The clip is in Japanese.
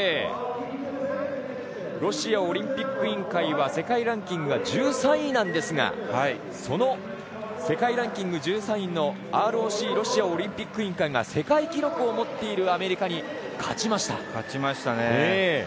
ロシアオリンピック委員会は世界ランキングが１３位ですがその世界ランキング１３位のＲＯＣ・ロシアオリンピック委員会が世界記録を持っているアメリカに勝ちました。